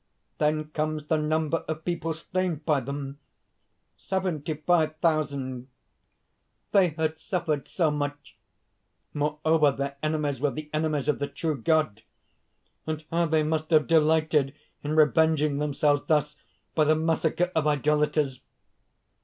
_ "Then, comes the number of people slain by them seventy five thousand. They had suffered so much! Moreover, their enemies were the enemies of the true God. And how they must have delighted in avenging themselves thus by the massacre of idolaters!